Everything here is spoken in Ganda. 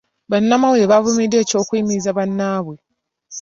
Bannamawulire bavumiridde eky'okuyimiriza kwa bannaabwe.